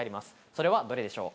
それは、どれでしょう？